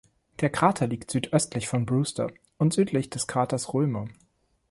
Der Krater liegt südöstlich von Brewster und südlich des Kraters Römer.